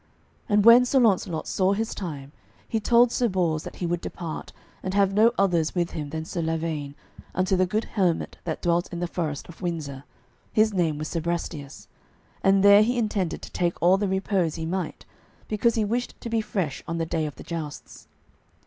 And when Sir Launcelot saw his time, he told Sir Bors that he would depart, and have no others with him than Sir Lavaine, unto the good hermit that dwelt in the forest of Windsor, his name was Sir Brastias, and there he intended to take all the repose he might, because he wished to be fresh on the day of the jousts.